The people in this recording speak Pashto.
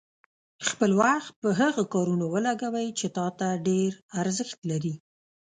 خپل وخت په هغه کارونو ولګوئ چې تا ته ډېر ارزښت لري.